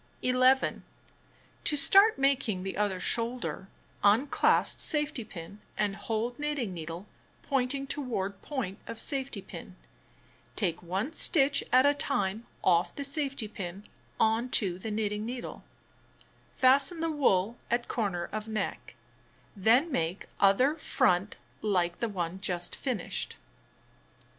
11. To start making the other shoulder, unclasp safety pin and hold knitting needle pointing toward point of safety pin. \font she i)e s^yr prised?' Doll's Sleeveless Sweater 187 Take 1 stitch at a time off the safety pin on to the knitting needle. Fasten the wool at corner of neck. Then make other front hke the one just finislKd.